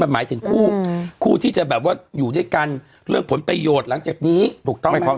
หมายถึงคู่คู่ที่จะแบบว่าอยู่ด้วยกันเรื่องผลประโยชน์หลังจากนี้ถูกต้องไหมครับ